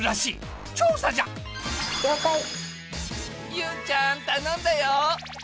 ゆうちゃん頼んだよ！